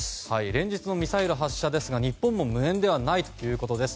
連日のミサイル発射ですが日本でも無縁ではないということです。